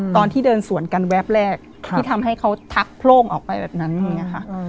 ตอนที่เดินสวนกันแวบแรกที่ทำให้เขาทักโพร่งออกไปแบบนั้นตรงนี้ค่ะ